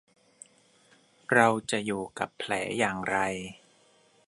เราจะอยู่กับแผลอย่างไร ?